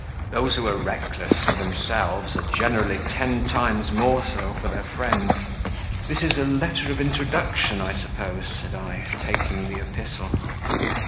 Those who are reckless for themselves are generally ten times more so for their friends." "This is a letter of introduction, I suppose?" said I, taking the epistle.